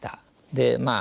でまあ